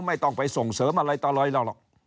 ไม่ต้องไปส่งเสริมอะไรต่อเลยเราหรอก